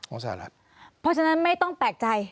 เพราะฉะนั้นไม่ต้องแปลกใจ